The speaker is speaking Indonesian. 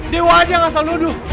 dewa aja yang asal nuduh